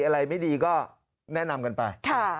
อะไรไม่ดีก็แนะนำกันไป